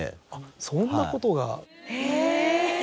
そんなことが。え！